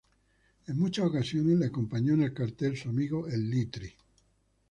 En muchas ocasiones le acompañó en el cartel su amigo, El Litri.